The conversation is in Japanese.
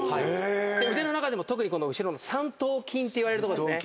腕の中でも特にこの後ろの三頭筋っていわれるとこですね。